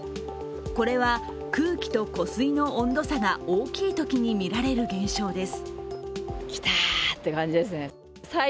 これは空気と湖水の温度差が大きいときに見られる現象です。